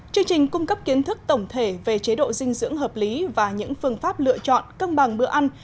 chương trình cung cấp kiến thức tổng thể về chế độ dinh dưỡng hợp lý và những phương pháp lựa chọn cân bằng bữa ăn